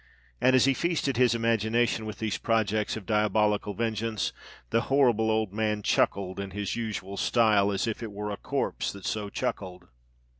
And, as he feasted his imagination with these projects of diabolical vengeance, the horrible old man chuckled in his usual style,—as if it were a corpse that so chuckled!